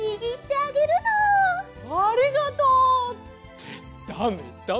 ありがとう！ってだめだめ。